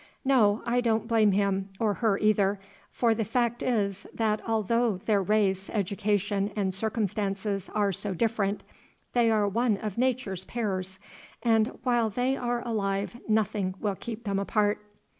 No, I don't blame him, or her either, for the fact is that although their race, education, and circumstances are so different, they are one of Nature's pairs, and while they are alive nothing will keep them apart.